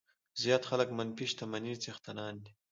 زیات خلک منفي شتمنۍ څښتنان دي.